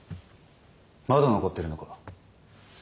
まだ残ってるのか。